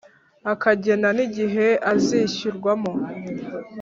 akagena n igihe azishyurwamo